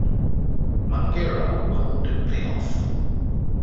Mangueira won the playoff.